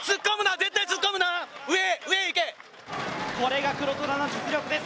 これが黒虎の実力です。